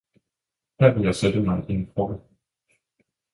Her vil jeg sætte mig i en krog!